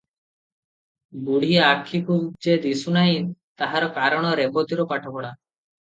ବୁଢ଼ୀ ଆଖିକୁ ଯେ ଦିଶୁ ନାହିଁ ତାହାର କାରଣ ରେବତୀର ପାଠପଢ଼ା।